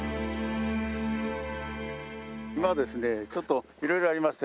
今ですねちょっと色々ありましてね